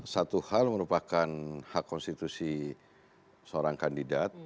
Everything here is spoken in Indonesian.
satu hal merupakan hak konstitusi seorang kandidat